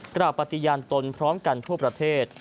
ปฏิญาณตนพร้อมกันทั่วประเทศ